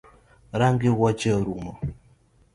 Rangi wuoche orumo